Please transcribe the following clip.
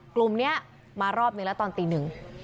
กลุ่มนี้มารอบหนึ่งแล้วตอนตีหนึ่ง